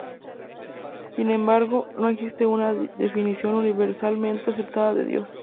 Sin embargo, no existe una definición universalmente aceptada de Dios.